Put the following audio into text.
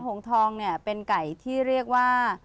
หงทองเป็นไก่ที่เรียกว่า